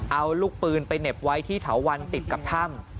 เอาลูกปืนไปเหน็บไว้ที่เถาวันติดกับถ้ำ